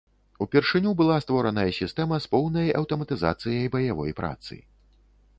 Упершыню была створаная сістэма з поўнай аўтаматызацыяй баявой працы.